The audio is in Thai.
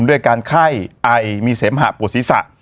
ด้วยการไข้ไอมีเสมหะปวดศีรษะ